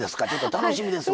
楽しみですわ。